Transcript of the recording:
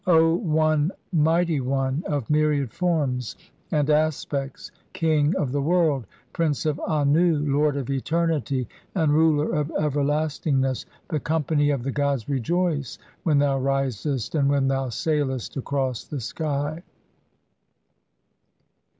"O One, mighty [one], of myriad forms and aspects, "king of the world, Prince of Annu, lord of eternity "and ruler of everlastingness, the company of the "gods rejoice when thou risest and when thou sailest "across the sky